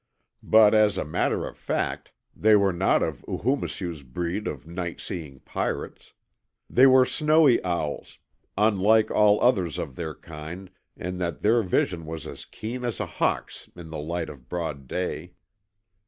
But as a matter of fact they were not of Oohoomisew's breed of night seeing pirates. They were Snowy Owls, unlike all others of their kind in that their vision was as keen as a hawk's in the light of broad day.